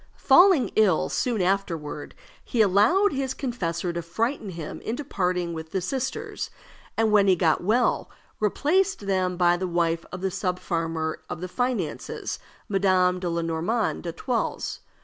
Falling ill soon afterward, he allowed his confessor to frighten him into parting with the sisters, and when he got well replaced them by the wife of the subfarmer of the finances, Madame le Normand d'Etoiles.